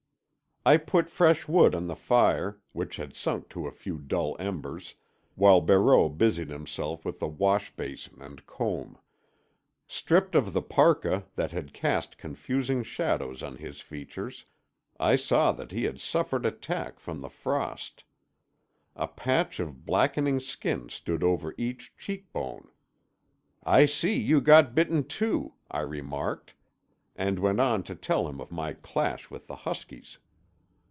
I put fresh wood on the fire, which had sunk to a few dull embers, while Barreau busied himself with the wash basin and comb. Stripped of the parka that had cast confusing shadows on his features I saw that he had suffered attack from the frost. A patch of blackening skin stood over each cheek bone. "I see you got bitten, too," I remarked—and went on to tell him of my clash with the huskies.